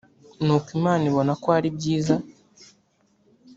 nuko imana ibona ko ari byiza